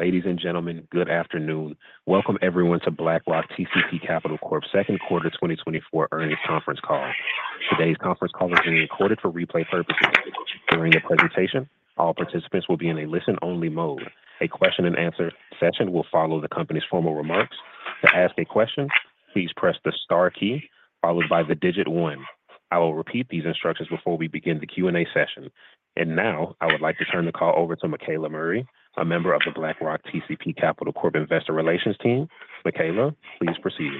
Ladies and gentlemen, good afternoon. Welcome everyone to BlackRock TCP Capital Corp's second quarter 2024 earnings conference call. Today's conference call is being recorded for replay purposes. During the presentation, all participants will be in a listen-only mode. A question and answer session will follow the company's formal remarks. To ask a question, please press the star key followed by the digit 1. I will repeat these instructions before we begin the Q&A session. And now, I would like to turn the call over to Michaela Murray, a member of the BlackRock TCP Capital Corp Investor Relations team. Michaela, please proceed.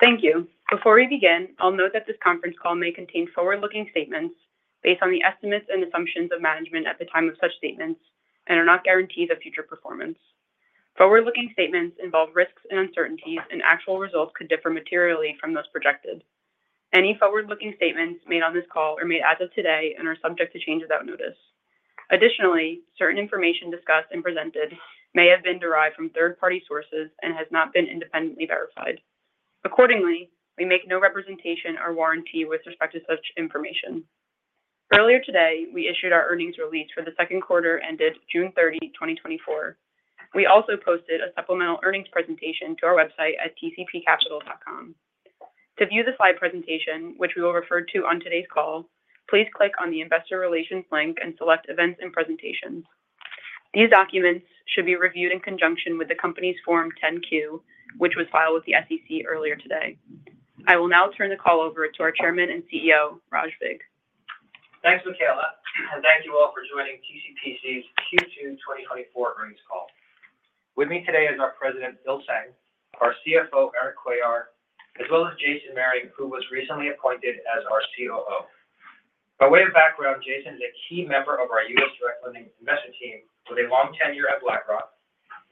Thank you. Before we begin, I'll note that this conference call may contain forward-looking statements based on the estimates and assumptions of management at the time of such statements and are not guarantees of future performance. Forward-looking statements involve risks and uncertainties, and actual results could differ materially from those projected. Any forward-looking statements made on this call are made as of today and are subject to change without notice. Additionally, certain information discussed and presented may have been derived from third-party sources and has not been independently verified. Accordingly, we make no representation or warranty with respect to such information. Earlier today, we issued our earnings release for the second quarter ended June 30, 2024. We also posted a supplemental earnings presentation to our website at tcpcapital.com. To view the slide presentation, which we will refer to on today's call, please click on the Investor Relations link and select Events and Presentations. These documents should be reviewed in conjunction with the company's Form 10-Q, which was filed with the SEC earlier today. I will now turn the call over to our Chairman and CEO, Rajneesh Vig. Thanks, Michaela, and thank you all for joining TCPC's Q2 2024 earnings call. With me today is our President, Phil Tseng, our CFO, Erik Cuellar, as well as Jason Mehring, who was recently appointed as our COO. By way of background, Jason is a key member of our U.S. direct lending investment team with a long tenure at BlackRock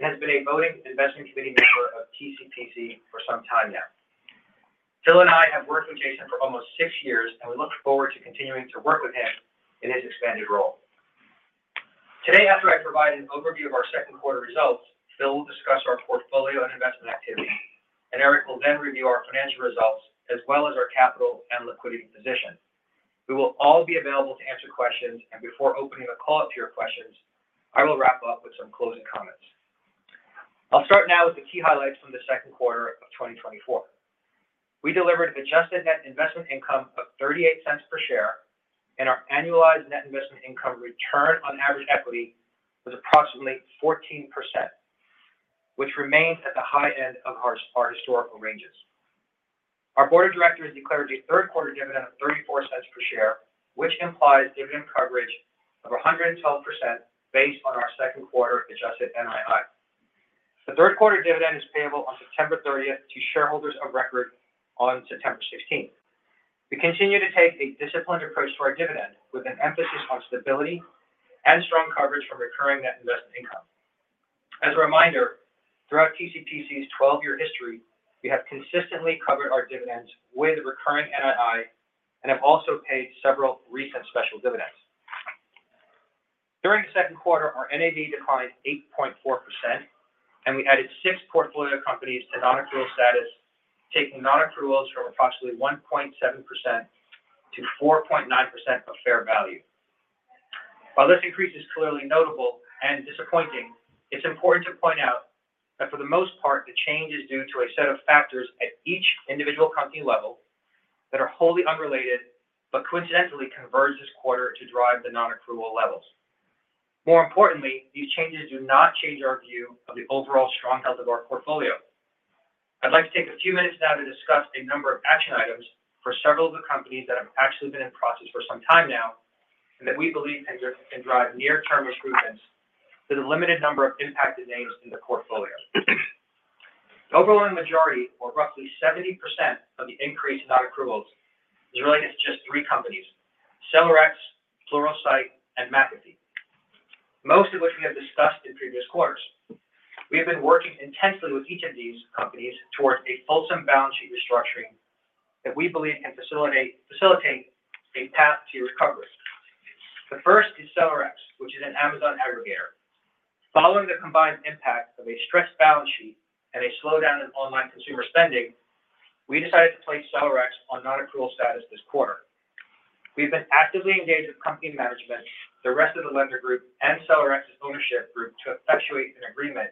and has been a voting investment committee member of TCPC for some time now. Phil and I have worked with Jason for almost six years, and we look forward to continuing to work with him in his expanded role. Today, after I provide an overview of our second quarter results, Phil will discuss our portfolio and investment activity, and Erik will then review our financial results as well as our capital and liquidity position. We will all be available to answer questions, and before opening the call up to your questions, I will wrap up with some closing comments. I'll start now with the key highlights from the second quarter of 2024. We delivered adjusted net investment income of $0.38 per share, and our annualized net investment income return on average equity was approximately 14%, which remains at the high end of our historical ranges. Our board of directors declared a third quarter dividend of $0.34 per share, which implies dividend coverage of 112% based on our second quarter adjusted NII. The third quarter dividend is payable on September 30th to shareholders of record on September 16th. We continue to take a disciplined approach to our dividend, with an emphasis on stability and strong coverage from recurring net investment income. As a reminder, throughout TCPC's 12-year history, we have consistently covered our dividends with recurring NII and have also paid several recent special dividends. During the second quarter, our NAV declined 8.4%, and we added six portfolio companies to non-accrual status, taking non-accruals from approximately 1.7%-4.9% of fair value. While this increase is clearly notable and disappointing, it's important to point out that for the most part, the change is due to a set of factors at each individual company level that are wholly unrelated, but coincidentally converged this quarter to drive the non-accrual levels. More importantly, these changes do not change our view of the overall strong health of our portfolio. I'd like to take a few minutes now to discuss a number of action items for several of the companies that have actually been in process for some time now and that we believe can drive near-term improvements to the limited number of impacted names in the portfolio. The overwhelming majority, or roughly 70% of the increase in non-accruals, is related to just three companies: SellerX, Pluralsight, and McAfee. Most of which we have discussed in previous quarters. We have been working intensely with each of these companies towards a fulsome balance sheet restructuring that we believe can facilitate a path to recovery. The first is SellerX, which is an Amazon aggregator. Following the combined impact of a stressed balance sheet and a slowdown in online consumer spending, we decided to place SellerX on non-accrual status this quarter. We've been actively engaged with company management, the rest of the lender group, and SellerX's ownership group to effectuate an agreement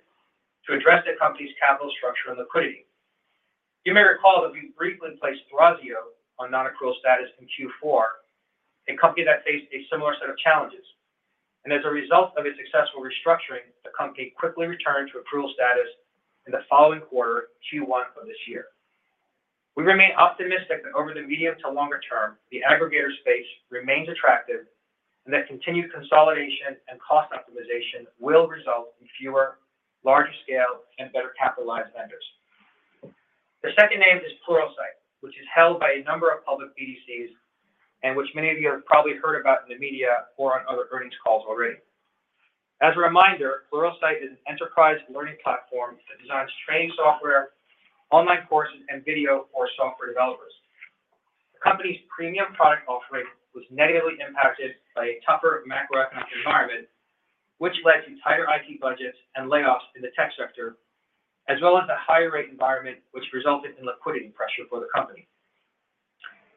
to address the company's capital structure and liquidity. You may recall that we briefly placed Thrasio on non-accrual status in Q4, a company that faced a similar set of challenges, and as a result of a successful restructuring, the company quickly returned to accrual status in the following quarter, Q1 of this year. We remain optimistic that over the medium to longer term, the aggregator space remains attractive and that continued consolidation and cost optimization will result in fewer, larger scale, and better-capitalized vendors. The second name is Pluralsight, which is held by a number of public BDCs and which many of you have probably heard about in the media or on other earnings calls already. As a reminder, Pluralsight is an enterprise learning platform that designs training software, online courses, and video for software developers. The company's premium product offering was negatively impacted by a tougher macroeconomic environment, which led to tighter IT budgets and layoffs in the tech sector, as well as a higher rate environment, which resulted in liquidity pressure for the company.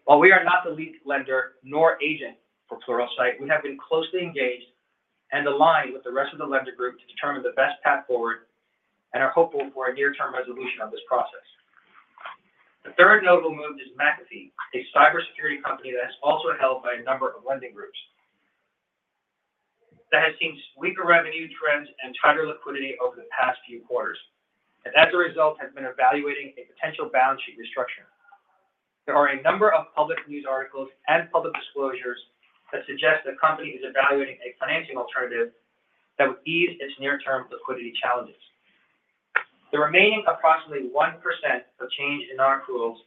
While we are not the lead lender nor agent for Pluralsight, we have been closely engaged and aligned with the rest of the lender group to determine the best path forward, and are hopeful for a near-term resolution of this process. The third notable move is McAfee, a cybersecurity company that is also held by a number of lending groups, that has seen weaker revenue trends and tighter liquidity over the past few quarters, and as a result, has been evaluating a potential balance sheet restructure. There are a number of public news articles and public disclosures that suggest the company is evaluating a financing alternative that would ease its near-term liquidity challenges. The remaining approximately 1% of change in non-accruals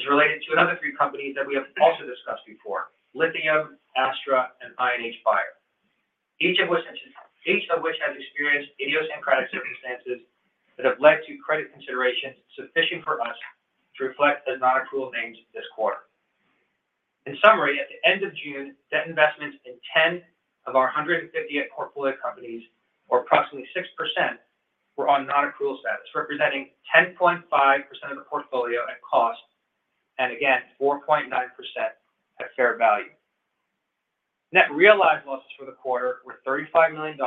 is related to another three companies that we have also discussed before: Lithium, Astra, and Edgio. Each of which, each of which has experienced idiosyncratic circumstances that have led to credit considerations sufficient for us to reflect the non-accrual names this quarter. In summary, at the end of June, debt investments in 10 of our 158 portfolio companies, or approximately 6%, were on non-accrual status, representing 10.5% of the portfolio at cost, and again, 4.9% at fair value. Net realized losses for the quarter were $35 million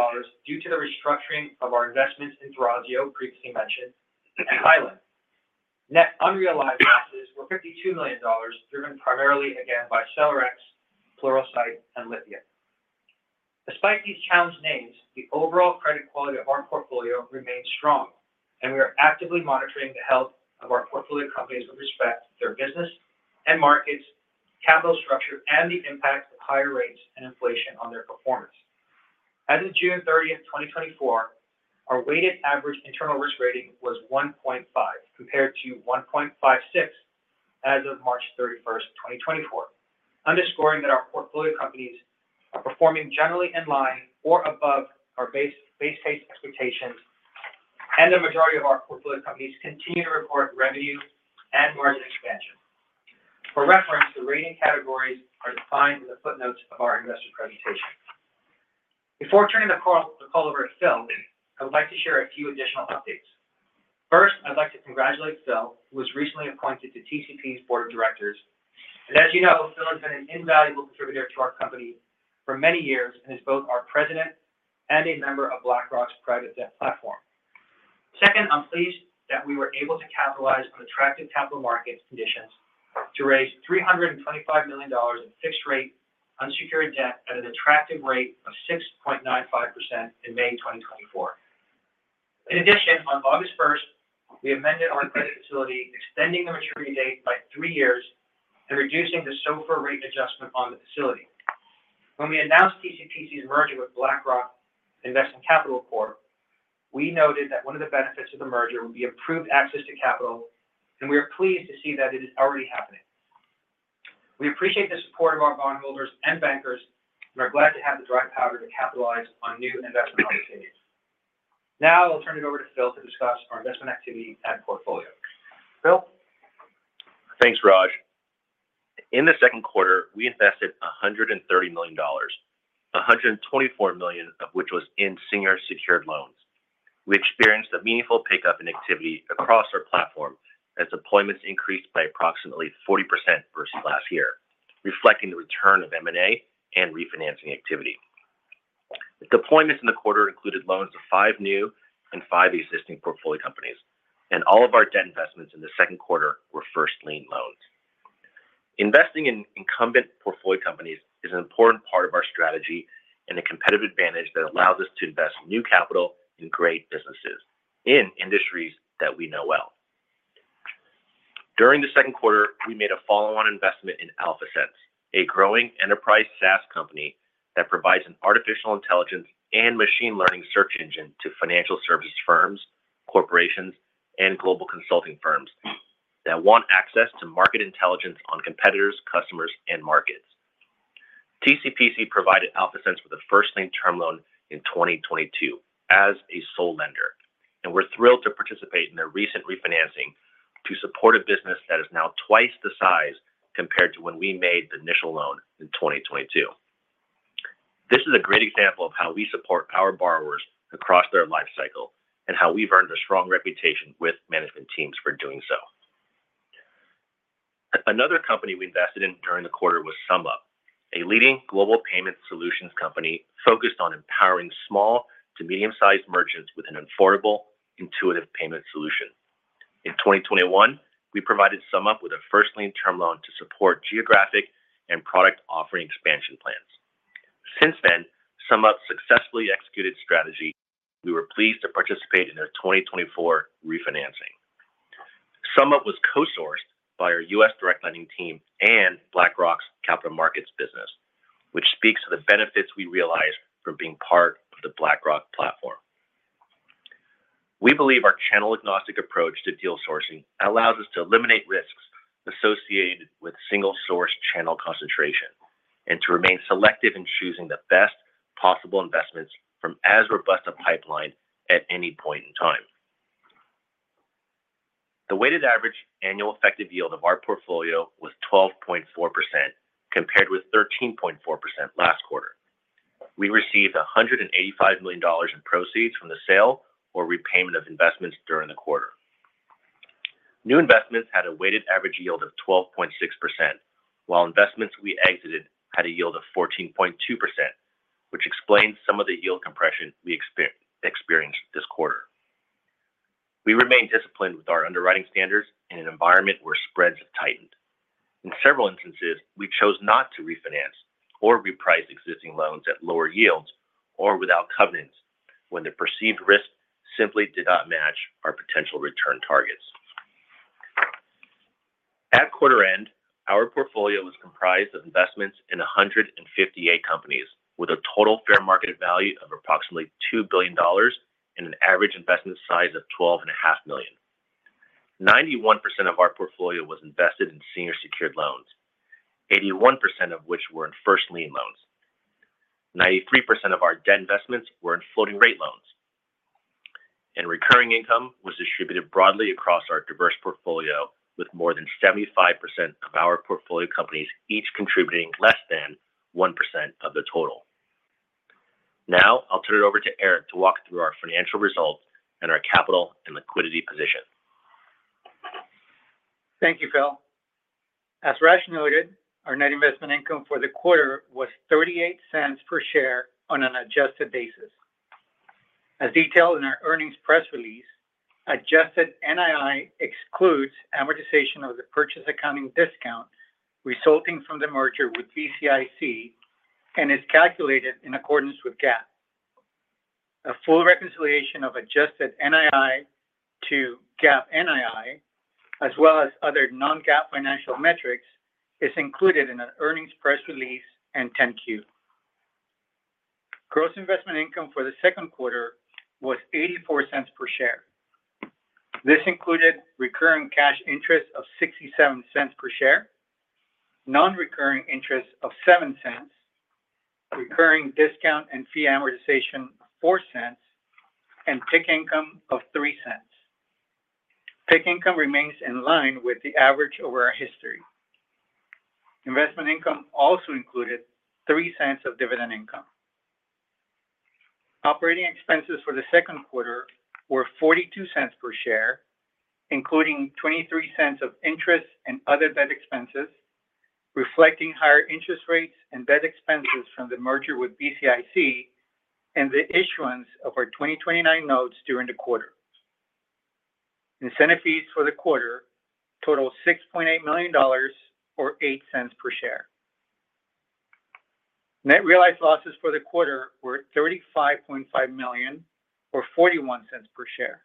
due to the restructuring of our investments in Thrasio, previously mentioned, and Hylan. Net unrealized losses were $52 million, driven primarily again by SellerX, Pluralsight, and Lithium. Despite these challenged names, the overall credit quality of our portfolio remains strong, and we are actively monitoring the health of our portfolio companies with respect to their business and markets, capital structure, and the impact of higher rates and inflation on their performance. As of June thirtieth, 2024, our weighted average internal risk rating was 1.5, compared to 1.56 as of March 31st, 2024, underscoring that our portfolio companies are performing generally in line or above our base case expectations, and the majority of our portfolio companies continue to report revenue and market expansion. For reference, the rating categories are defined in the footnotes of our investor presentation. Before turning the call over to Phil, I would like to share a few additional updates. First, I'd like to congratulate Phil, who was recently appointed to TCP's board of directors, and as you know, Phil has been an invaluable contributor to our company for many years and is both our president and a member of BlackRock's private debt platform. Second, I'm pleased that we were able to capitalize on attractive capital markets conditions to raise $325 million in fixed rate unsecured debt at an attractive rate of 6.95% in May 2024. In addition, on August first, we amended our credit facility, extending the maturity date by 3 years and reducing the SOFR rate adjustment on the facility. When we announced TCPC's merger with BlackRock Capital Investment Corp, we noted that one of the benefits of the merger would be improved access to capital, and we are pleased to see that it is already happening. We appreciate the support of our bondholders and bankers, and are glad to have the dry powder to capitalize on new investment opportunities. Now, I'll turn it over to Phil to discuss our investment activity and portfolio. Phil? Thanks, Raj. In the second quarter, we invested $130 million, $124 million of which was in senior secured loans. We experienced a meaningful pickup in activity across our platform, as deployments increased by approximately 40% versus last year, reflecting the return of M&A and refinancing activity. Deployments in the quarter included loans to 5 new and 5 existing portfolio companies, and all of our debt investments in the second quarter were first-lien loans. Investing in incumbent portfolio companies is an important part of our strategy and a competitive advantage that allows us to invest new capital in great businesses, in industries that we know well. During the second quarter, we made a follow-on investment in AlphaSense, a growing enterprise SaaS company that provides an artificial intelligence and machine learning search engine to financial service firms, corporations, and global consulting firms that want access to market intelligence on competitors, customers, and markets. TCPC provided AlphaSense with a first-lien term loan in 2022 as a sole lender, and we're thrilled to participate in their recent refinancing to support a business that is now twice the size compared to when we made the initial loan in 2022. This is a great example of how we support our borrowers across their life cycle and how we've earned a strong reputation with management teams for doing so. Another company we invested in during the quarter was SumUp, a leading global payment solutions company focused on empowering small to medium-sized merchants with an affordable, intuitive payment solution. In 2021, we provided SumUp with a first-lien term loan to support geographic and product offering expansion plans. Since then, SumUp successfully executed strategy. We were pleased to participate in their 2024 refinancing. SumUp was co-sourced by our U.S. direct lending team and BlackRock's capital markets business, which speaks to the benefits we realize from being part of the BlackRock platform. We believe our channel-agnostic approach to deal sourcing allows us to eliminate risks associated with single-source channel concentration, and to remain selective in choosing the best possible investments from as robust a pipeline at any point in time. The weighted average annual effective yield of our portfolio was 12.4%, compared with 13.4% last quarter. We received $185 million in proceeds from the sale or repayment of investments during the quarter. New investments had a weighted average yield of 12.6%, while investments we exited had a yield of 14.2%, which explains some of the yield compression we experienced this quarter. We remain disciplined with our underwriting standards in an environment where spreads have tightened. In several instances, we chose not to refinance or reprice existing loans at lower yields or without covenants when the perceived risk simply did not match our potential return targets. At quarter end, our portfolio was comprised of investments in 158 companies, with a total fair market value of approximately $2 billion and an average investment size of $12.5 million. 91% of our portfolio was invested in senior secured loans, 81% of which were in first lien loans. 93% of our debt investments were in floating rate loans, and recurring income was distributed broadly across our diverse portfolio, with more than 75% of our portfolio companies each contributing less than 1% of the total. Now, I'll turn it over to Erik to walk through our financial results and our capital and liquidity position. Thank you, Phil. As Raj noted, our net investment income for the quarter was $0.38 per share on an adjusted basis. As detailed in our earnings press release, adjusted NII excludes amortization of the purchase accounting discount resulting from the merger with BCIC and is calculated in accordance with GAAP. A full reconciliation of adjusted NII to GAAP NII, as well as other non-GAAP financial metrics, is included in an earnings press release and 10-Q. Gross investment income for the second quarter was $0.84 per share. This included recurring cash interest of $0.67 per share, non-recurring interest of $0.07, recurring discount and fee amortization of $0.04, and PIK income of $0.03. PIK income remains in line with the average over our history. Investment income also included $0.03 of dividend income. Operating expenses for the second quarter were $0.42 per share, including $0.23 of interest and other debt expenses, reflecting higher interest rates and debt expenses from the merger with BCIC and the issuance of our 2029 notes during the quarter. Incentive fees for the quarter totaled $6.8 million or $0.08 per share. Net realized losses for the quarter were $35.5 million or $0.41 per share.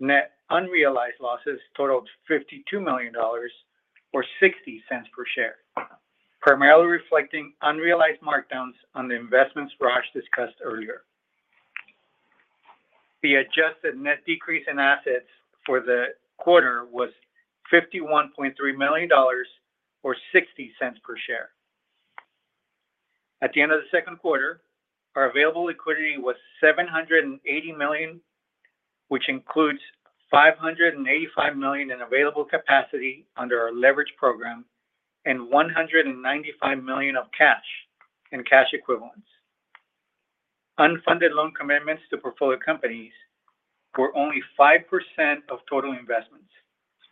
Net unrealized losses totaled $52 million or $0.60 per share, primarily reflecting unrealized markdowns on the investments Raj discussed earlier. The adjusted net decrease in assets for the quarter was $51.3 million or $0.60 per share. At the end of the second quarter, our available liquidity was $780 million, which includes $585 million in available capacity under our leverage program and $195 million of cash and cash equivalents. Unfunded loan commitments to portfolio companies were only 5% of total investments,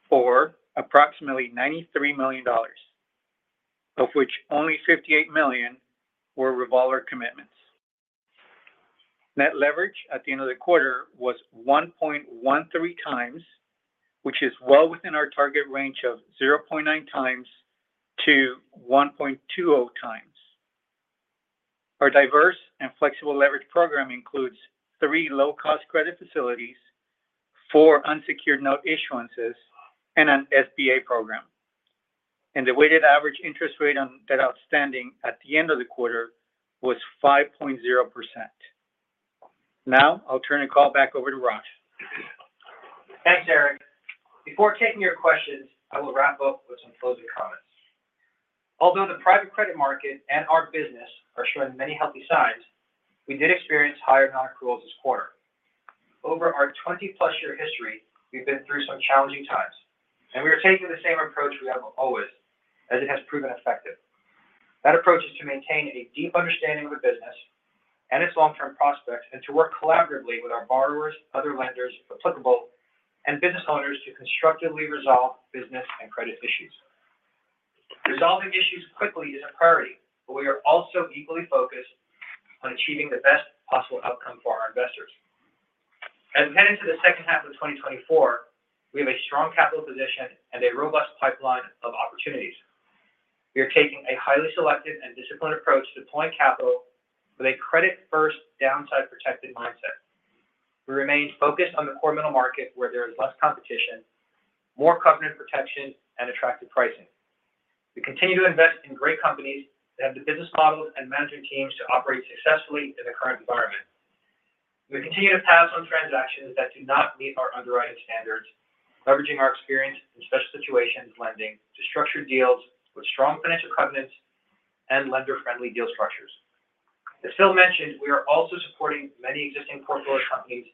or approximately $93 million, of which only $58 million were revolver commitments. Net leverage at the end of the quarter was 1.13x, which is well within our target range of 0.9x- 1.2x. Our diverse and flexible leverage program includes three low-cost credit facilities, four unsecured note issuances, and an SBA program. And the weighted average interest rate on debt outstanding at the end of the quarter was 5.0%. Now, I'll turn the call back over to Raj. Thanks, Eric. Before taking your questions, I will wrap up with some closing comments. Although the private credit market and our business are showing many healthy signs, we did experience higher non-accruals this quarter. Over our 20+ year history, we've been through some challenging times, and we are taking the same approach we have always, as it has proven effective. That approach is to maintain a deep understanding of the business and its long-term prospects, and to work collaboratively with our borrowers, other lenders, if applicable, and business owners to constructively resolve business and credit issues. Resolving issues quickly is a priority, but we are also equally focused on achieving the best possible outcome for our investors. As we head into the second half of 2024, we have a strong capital position and a robust pipeline of opportunities. We are taking a highly selective and disciplined approach to deploying capital with a credit-first, downside-protected mindset. We remain focused on the core middle market, where there is less competition, more covenant protection, and attractive pricing. We continue to invest in great companies that have the business models and management teams to operate successfully in the current environment. We continue to pass on transactions that do not meet our underwriting standards, leveraging our experience in special situations, lending to structured deals with strong financial covenants and lender-friendly deal structures. As Phil mentioned, we are also supporting many existing portfolio companies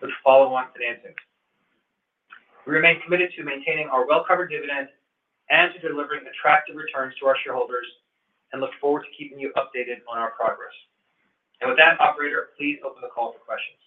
with follow-on financing. We remain committed to maintaining our well-covered dividend and to delivering attractive returns to our shareholders, and look forward to keeping you updated on our progress. With that, operator, please open the call for questions.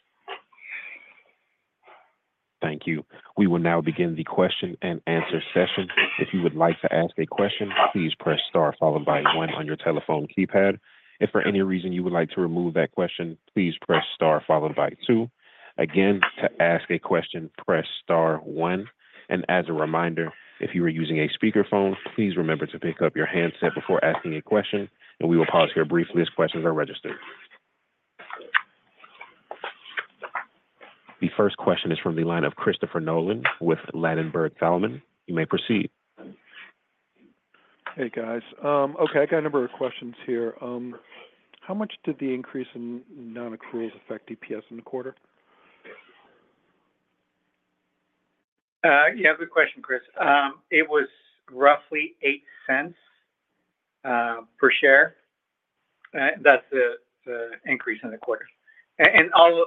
Thank you. We will now begin the question and answer session. If you would like to ask a question, please press star followed by one on your telephone keypad. If for any reason you would like to remove that question, please press star followed by two. Again, to ask a question, press star one, and as a reminder, if you are using a speakerphone, please remember to pick up your handset before asking a question, and we will pause here briefly as questions are registered. The first question is from the line of Christopher Nolan with Ladenburg Thalmann. You may proceed. Hey, guys. Okay, I got a number of questions here. How much did the increase in non-accruals affect EPS in the quarter? Yeah, good question, Chris. It was roughly $0.08 per share. That's the increase in the quarter. And I'll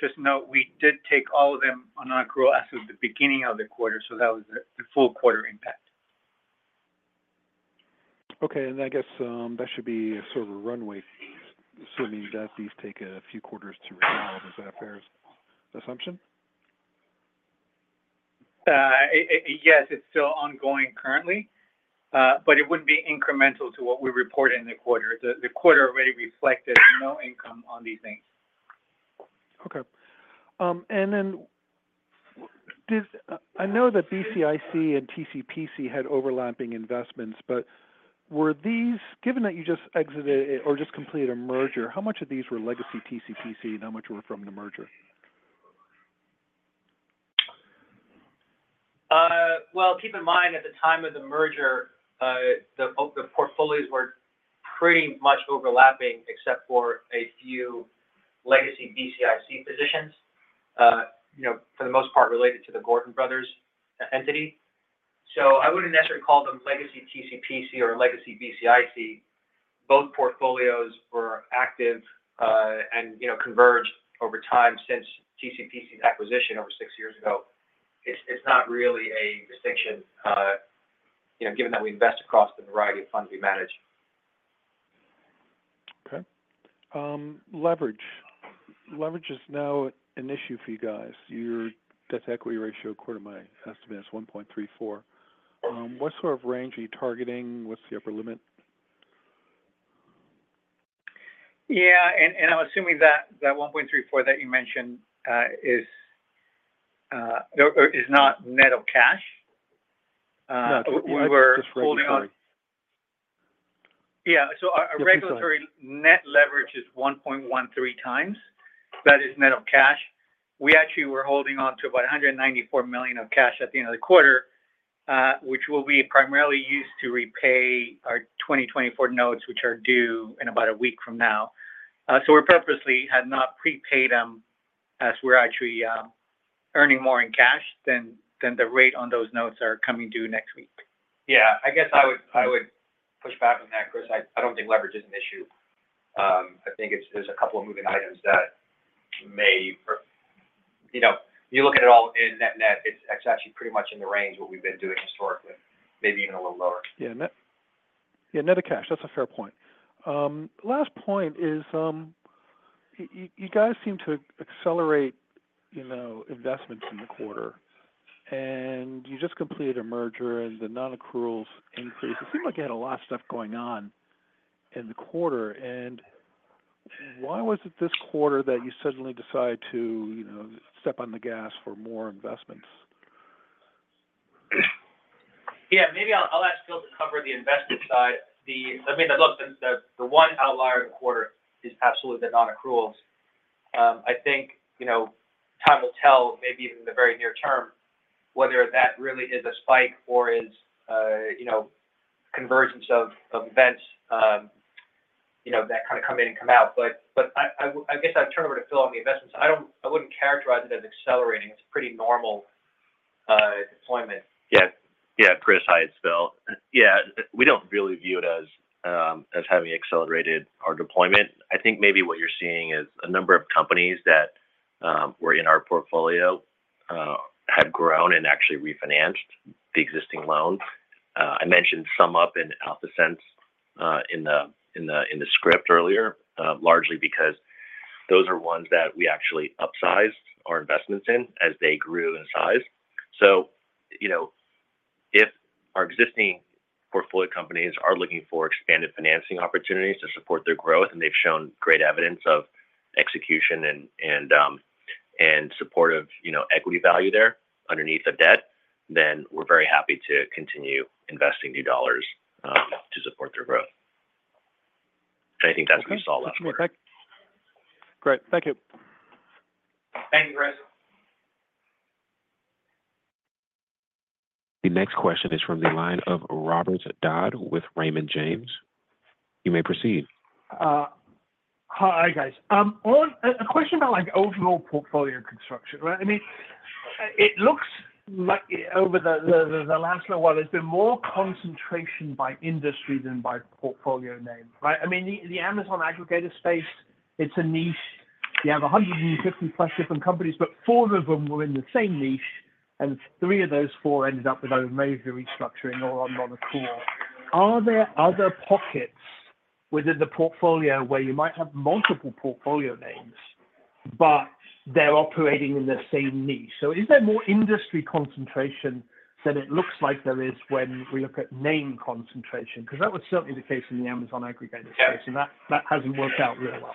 just note, we did take all of them on accrual as of the beginning of the quarter, so that was the full quarter impact. Okay, and I guess, that should be sort of a runway assuming that these take a few quarters to resolve. Is that a fair assumption? Yes, it's still ongoing currently, but it wouldn't be incremental to what we reported in the quarter. The quarter already reflected no income on these things. Okay. And then this—I know that BCIC and TCPC had overlapping investments, but were these... Given that you just exited or just completed a merger, how much of these were legacy TCPC and how much were from the merger? Well, keep in mind, at the time of the merger, the portfolios were pretty much overlapping except for a few legacy BCIC positions. You know, for the most part, related to the Gordon Brothers entity. So I wouldn't necessarily call them legacy TCPC or legacy BCIC. Both portfolios were active, and, you know, converged over time since TCPC's acquisition over six years ago. It's not really a distinction, you know, given that we invest across the variety of funds we manage. Okay. Leverage. Leverage is now an issue for you guys. Your debt-to-equity ratio quarter, my estimate is 1.34. What sort of range are you targeting? What's the upper limit? Yeah, and I'm assuming that 1.34 that you mentioned is or is not net of cash? We were holding on-Just regulatory. Yeah. So our regulatory- Just regulatory Net leverage is 1.13x. That is net of cash. We actually were holding on to about $194 million of cash at the end of the quarter, which will be primarily used to repay our 2024 notes, which are due in about a week from now. So we purposely have not prepaid them as we're actually earning more in cash than the rate on those notes are coming due next week. Yeah. I guess I would, I would push back on that, Chris. I, I don't think leverage is an issue. I think it's, there's a couple of moving items that may, you know, you look at it all in net, net, it's, it's actually pretty much in the range what we've been doing historically, maybe even a little lower. Yeah. Net, yeah, net of cash, that's a fair point. Last point is, you guys seem to accelerate, you know, investments in the quarter, and you just completed a merger and the non-accruals increase. It seemed like you had a lot of stuff going on in the quarter, and why was it this quarter that you suddenly decide to, you know, step on the gas for more investments? Yeah. Maybe I'll ask Phil to cover the investment side. I mean, look, the one outlier in the quarter is absolutely the non-accruals. I think, you know, time will tell, maybe even in the very near term, whether that really is a spike or is, you know, convergence of events, you know, that kind of come in and come out. But I guess I'd turn over to Phil on the investment side. I wouldn't characterize it as accelerating. It's a pretty normal deployment. Yeah. Yeah, Chris, hi, it's Phil. Yeah, we don't really view it as, as having accelerated our deployment. I think maybe what you're seeing is a number of companies that, were in our portfolio, have grown and actually refinanced the existing loans. I mentioned some up in AlphaSense, in the, in the, in the script earlier, largely because those are ones that we actually upsized our investments in as they grew in size. So, you know, if our existing portfolio companies are looking for expanded financing opportunities to support their growth, and they've shown great evidence of execution and, and, and supportive, you know, equity value there underneath the debt, then we're very happy to continue investing new dollars, to support their growth. I think that's what we saw last quarter. Great. Thank you. Thank you, Chris. The next question is from the line of Robert Dodd with Raymond James. You may proceed. Hi, guys. On a question about, like, overall portfolio construction, right? I mean, it looks like over the last little while, there's been more concentration by industry than by portfolio name, right? I mean, the Amazon aggregator space, it's a niche. You have 150+ different companies, but four of them were in the same niche, and three of those four ended up with either major restructuring or on non-accrual. Are there other pockets within the portfolio where you might have multiple portfolio names, but they're operating in the same niche? So is there more industry concentration than it looks like there is when we look at name concentration? Because that was certainly the case in the Amazon aggregator space, and that hasn't worked out really well.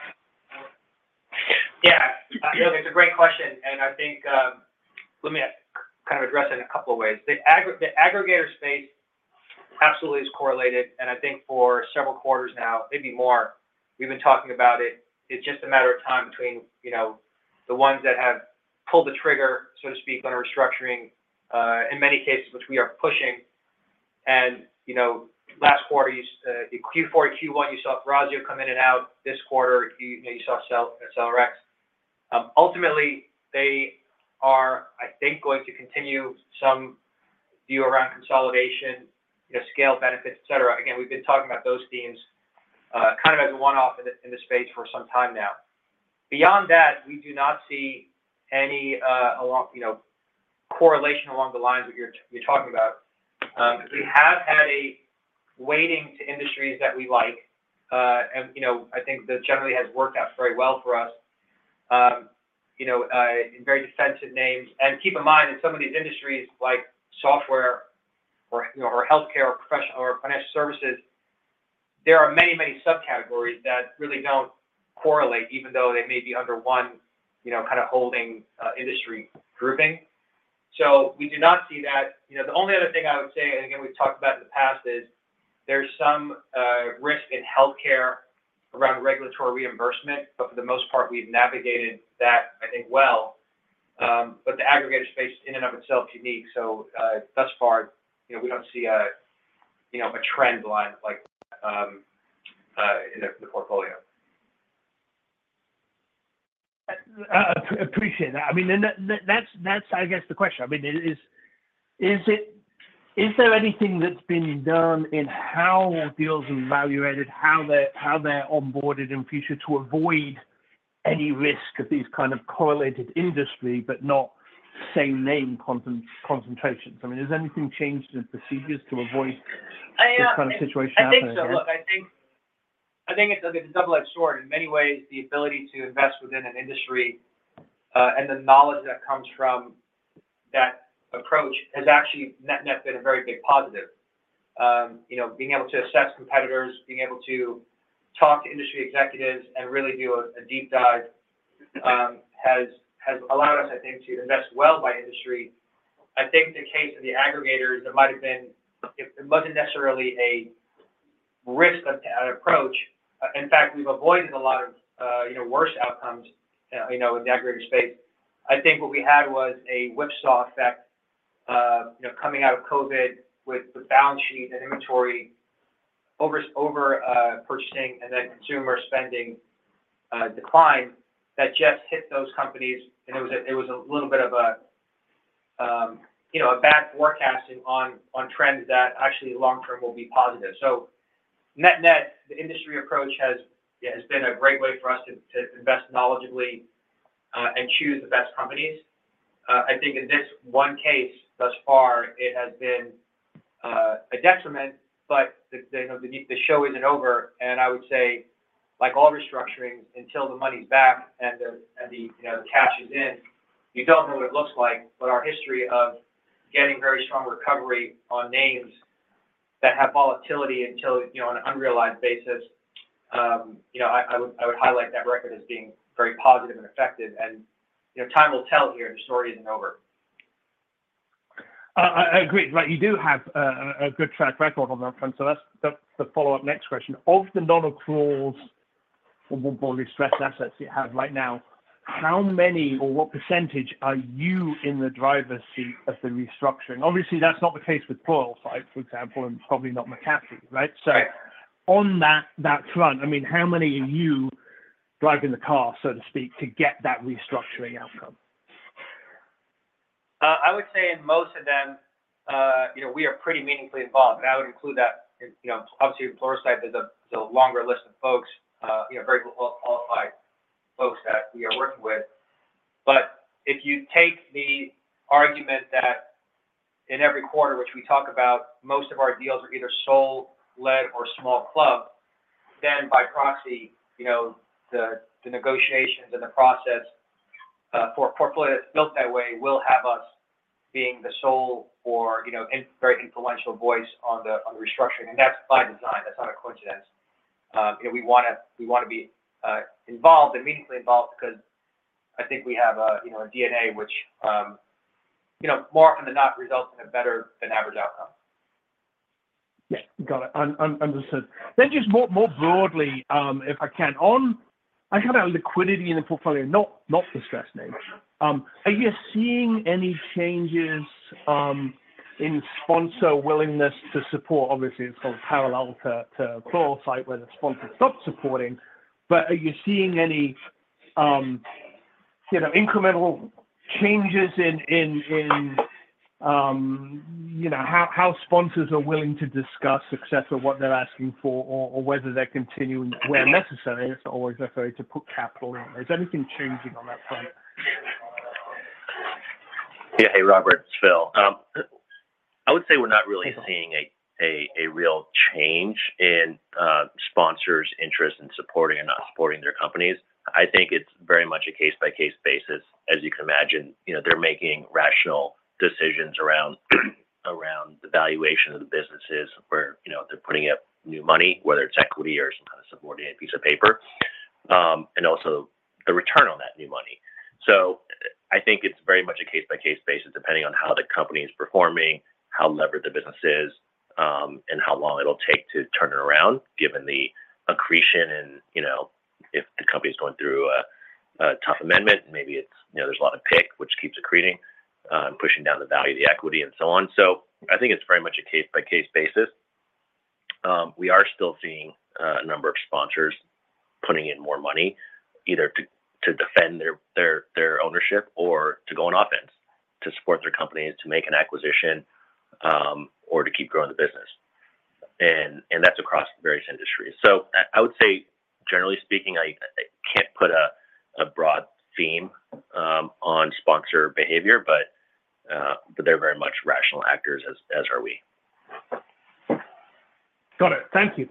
Yeah, it's a great question, and I think, let me kind of address it in a couple of ways. The aggregator space absolutely is correlated, and I think for several quarters now, maybe more, we've been talking about it. It's just a matter of time between, you know, the ones that have pulled the trigger, so to speak, on a restructuring, in many cases, which we are pushing. And, you know, last quarter, Q4, Q1, you saw Thrasio come in and out. This quarter, you, you saw SellerX. Ultimately, they are, I think, going to continue some view around consolidation, the scale benefits, etc. Again, we've been talking about those themes, kind of as a one-off in, in the space for some time now. Beyond that, we do not see any correlation along the lines that you're talking about. We have had a weighting to industries that we like, and, you know, I think that generally has worked out very well for us, you know, in very defensive names. And keep in mind that some of these industries, like software or, you know, or healthcare or professional or financial services, there are many, many subcategories that really don't correlate, even though they may be under one, you know, kind of holding industry grouping. So we do not see that. You know, the only other thing I would say, and again, we've talked about in the past, is there's some risk in healthcare around regulatory reimbursement, but for the most part, we've navigated that, I think, well. But the aggregator space in and of itself is unique, so, thus far, you know, we don't see, you know, a trend line like in the portfolio. I appreciate that. I mean, and that, that's I guess the question. I mean, is it- is there anything that's been done in how deals are evaluated, how they're onboarded in future to avoid any risk of these kind of correlated industry, but not same name concentrations? I mean, has anything changed in procedures to avoid this kind of situation? I think so. Look, I think it's a double-edged sword. In many ways, the ability to invest within an industry and the knowledge that comes from that approach has actually net-net been a very big positive. You know, being able to assess competitors, being able to talk to industry executives and really do a deep dive has allowed us, I think, to invest well by industry. I think the case of the aggregators, it might have been. It wasn't necessarily a risk approach. In fact, we've avoided a lot of, you know, worse outcomes, you know, in the aggregator space. I think what we had was a whipsaw effect, you know, coming out of COVID with the balance sheet and inventory over, over, purchasing and then consumer spending decline, that just hit those companies, and it was a little bit of a, you know, a bad forecasting on, on trends that actually long term will be positive. So net-net, the industry approach has, has been a great way for us to, to invest knowledgeably and choose the best companies. I think in this one case, thus far, it has been a detriment, but, you know, the show isn't over, and I would say, like all restructurings, until the money's back and the, and the, you know, the cash is in, you don't know what it looks like. But our history of getting very strong recovery on names that have volatility until, you know, on an unrealized basis, you know, I, I would, I would highlight that record as being very positive and effective. And, you know, time will tell here. The story isn't over. I agree. Right, you do have a good track record on that front, so that's the follow-up next question. Of the non-accruals or distressed assets you have right now, how many or what percentage are you in the driver's seat of the restructuring? Obviously, that's not the case with Pluralsight, for example, and probably not McAfee, right? Right. So on that, that front, I mean, how many are you driving the car, so to speak, to get that restructuring outcome? I would say in most of them, you know, we are pretty meaningfully involved, and I would include that, you know, obviously, in Pluralsight, there's a longer list of folks, you know, very well-qualified folks that we are working with. But if you take the argument that in every quarter, which we talk about, most of our deals are either sole, lead, or small club, then by proxy, you know, the negotiations and the process, for a portfolio that's built that way will have us being the sole or, you know, in very influential voice on the, on the restructuring, and that's by design, that's not a coincidence. You know, we wanna be involved and meaningfully involved because I think we have a, you know, a DNA which, you know, more often than not, results in a better than average outcome. Yeah. Got it. Understood. Then just more broadly, if I can, on. I hear about liquidity in the portfolio, not the stress names. Are you seeing any changes in sponsor willingness to support? Obviously, it's sort of parallel to Pluralsight, where the sponsor stopped supporting, but are you seeing any, you know, incremental changes in how sponsors are willing to discuss success or what they're asking for, or whether they're continuing where necessary; it's not always necessary to put capital in. Is anything changing on that front? Yeah. Hey, Robert, it's Phil. I would say we're not really seeing a real change in sponsors' interest in supporting or not supporting their companies. I think it's very much a case-by-case basis, as you can imagine. You know, they're making rational decisions around the valuation of the businesses where, you know, they're putting up new money, whether it's equity or some kind of subordinated piece of paper, and also the return on that new money. So I think it's very much a case-by-case basis, depending on how the company is performing, how levered the business is, and how long it'll take to turn it around, given the accretion and, you know, if the company's going through a tough amendment, maybe it's, you know, there's a lot of PIK, which keeps accreting, and pushing down the value of the equity and so on. So I think it's very much a case-by-case basis. We are still seeing a number of sponsors putting in more money either to defend their ownership or to go on offense, to support their companies, to make an acquisition, or to keep growing the business. And that's across various industries. So I would say, generally speaking, I can't put a broad theme on sponsor behavior, but they're very much rational actors, as are we. Got it. Thank you.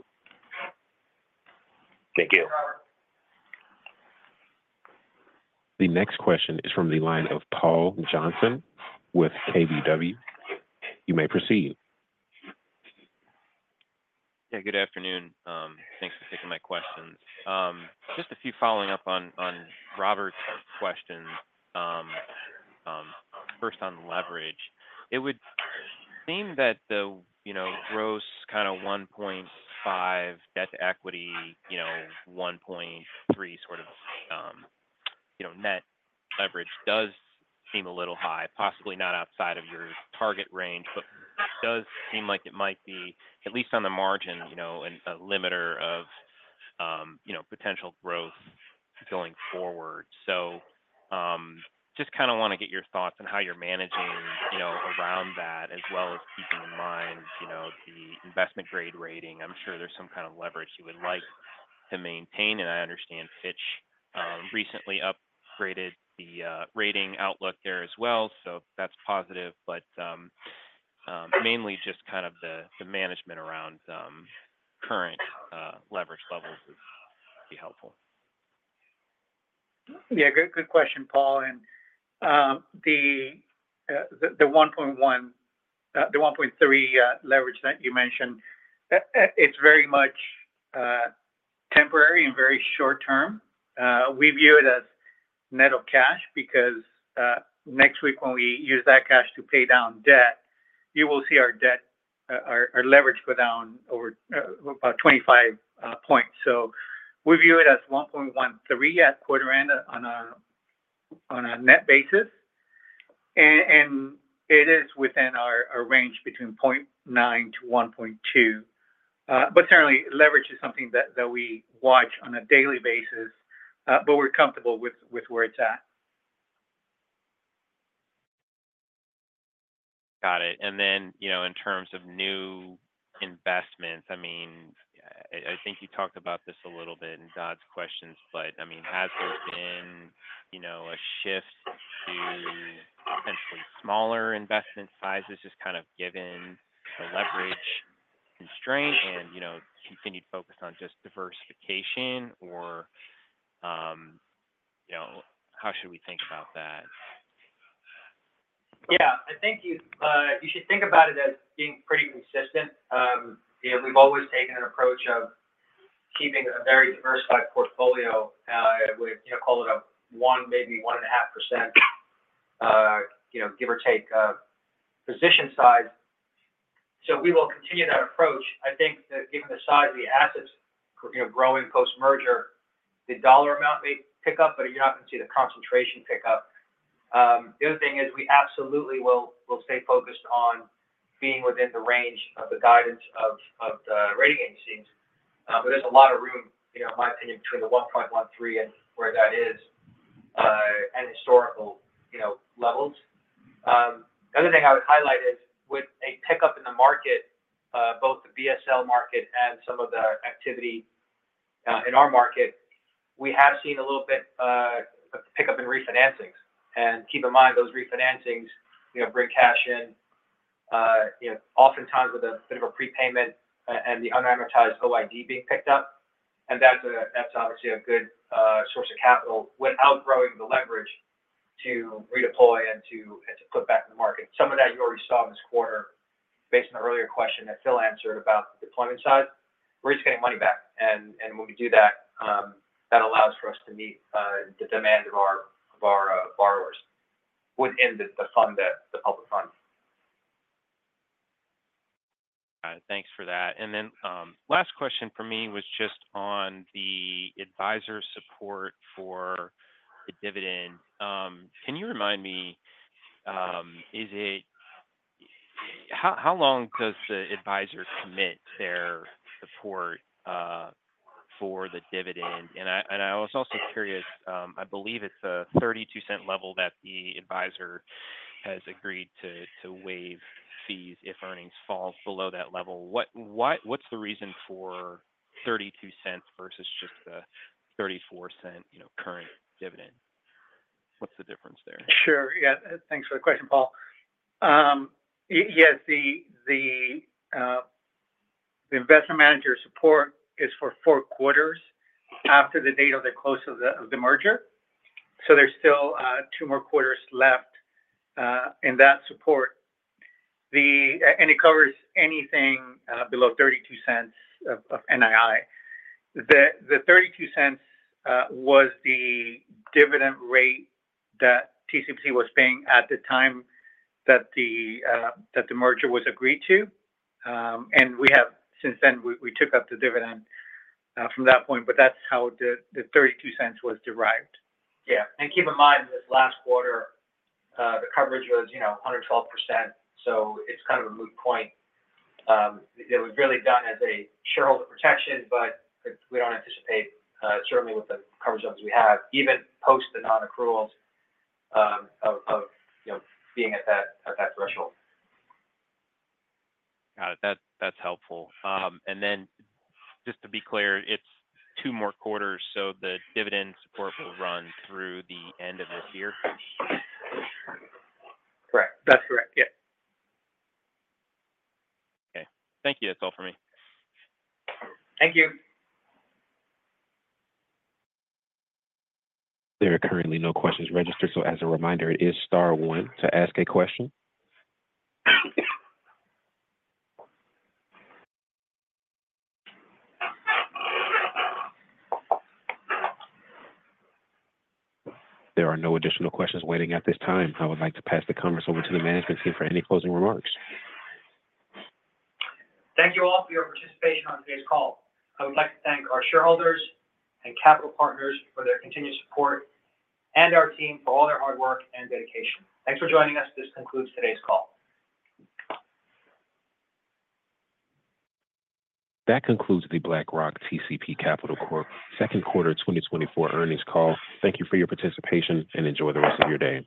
Thank you. The next question is from the line of Paul Johnson with KBW. You may proceed. Yeah, good afternoon. Thanks for taking my questions. Just a few following up on Robert's question. First on leverage. It would seem that the, you know, gross kind of 1.5x debt to equity, you know, 1.3x, sort of, net leverage does seem a little high, possibly not outside of your target range, but it does seem like it might be, at least on the margin, you know, a limiter of potential growth going forward. So, just kind of want to get your thoughts on how you're managing, you know, around that, as well as keeping in mind, you know, the investment grade rating. I'm sure there's some kind of leverage you would like to maintain, and I understand Fitch recently upgraded the rating outlook there as well, so that's positive. Mainly just kind of the management around current leverage levels would be helpful. Yeah, good, good question, Paul. And, the one point one, the one point three leverage that you mentioned, it's very much temporary and very short term. We view it as net of cash because, next week when we use that cash to pay down debt, you will see our debt, our leverage go down over about 25 points. So we view it as 1.13x at quarter end on a net basis. And it is within our range between 0.9x-1.2x. But certainly leverage is something that we watch on a daily basis, but we're comfortable with where it's at. Got it. You know, in terms of new investments, I mean, I think you talked about this a little bit in Dodd's questions, but I mean, has there been, you know, a shift to potentially smaller investment sizes, just kind of given the leverage constraint and, you know, continued focus on just diversification or, you know, how should we think about that? Yeah. I think you should think about it as being pretty consistent. You know, we've always taken an approach of keeping a very diversified portfolio. We, you know, call it a 1%, maybe 1.5%, you know, give or take, position size. So we will continue that approach. I think that given the size of the assets, you know, growing post-merger, the dollar amount may pick up, but you're not going to see the concentration pick up. The other thing is, we absolutely will stay focused on being within the range of the guidance of the rating agencies. But there's a lot of room, you know, in my opinion, between the 1.13x and where that is, at historical, you know, levels. The other thing I would highlight is with a pickup in the market, both the BSL market and some of the activity in our market, we have seen a little bit of pickup in refinancings. And keep in mind, those refinancings, you know, bring cash in, you know, oftentimes with a bit of a prepayment and the unamortized OID being picked up. And that's obviously a good source of capital without growing the leverage to redeploy and to put back in the market. Some of that you already saw this quarter, based on the earlier question that Phil answered about the deployment side. We're just getting money back, and when we do that, that allows for us to meet the demand of our borrowers within the fund, the public fund. Got it. Thanks for that. And then, last question for me was just on the advisor support for the dividend. Can you remind me, how long does the advisor commit their support for the dividend? And I was also curious, I believe it's a $0.32 level that the advisor has agreed to waive fees if earnings fall below that level. What, why, what's the reason for $0.32 versus just the $0.34, you know, current dividend? What's the difference there? Sure. Yeah. Thanks for the question, Paul. Yes, the investment manager support is for four quarters after the date of the close of the merger. So there's still two more quarters left in that support. And it covers anything below $0.32 of NII. The $0.32 was the dividend rate that TCP was paying at the time that the merger was agreed to. And since then, we took up the dividend from that point, but that's how the $0.32 was derived. Yeah. Keep in mind, this last quarter, the coverage was, you know, 112%, so it's kind of a moot point. It was really done as a shareholder protection, but we don't anticipate, certainly with the coverage levels we have, even post the non-accruals, you know, being at that threshold. Got it. That, that's helpful. And then just to be clear, it's two more quarters, so the dividend support will run through the end of this year? Correct. That's correct. Yeah. Okay. Thank you. That's all for me. Thank you. There are currently no questions registered, so as a reminder, it is star one to ask a question. There are no additional questions waiting at this time. I would like to pass the conference over to the management team for any closing remarks. Thank you all for your participation on today's call. I would like to thank our shareholders and capital partners for their continued support, and our team for all their hard work and dedication. Thanks for joining us. This concludes today's call. That concludes the BlackRock TCP Capital Corp. second quarter 2024 earnings call. Thank you for your participation, and enjoy the rest of your day.